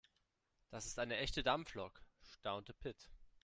Das ist eine echte Dampflok, staunte Pit.